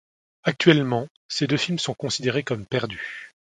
Actuellement, ces deux films sont considérés comme perdus.